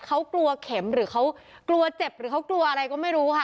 เขากลัวเข็มหรือเขากลัวเจ็บหรือเขากลัวอะไรก็ไม่รู้ค่ะ